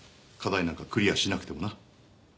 課題なんかクリアしなくてもな。